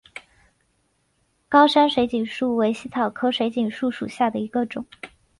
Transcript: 高山水锦树为茜草科水锦树属下的一个种。